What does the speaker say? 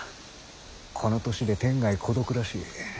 この年で天涯孤独らしい。